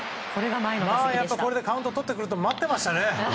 これでカウントをとってくると待っていましたよね。